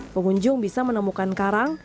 pengunjung bisa menemukan karang